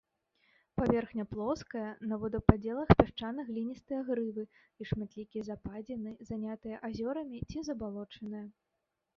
Паверхня плоская, на водападзелах пясчана-гліністыя грывы і шматлікія западзіны, занятыя азёрамі ці забалочаныя.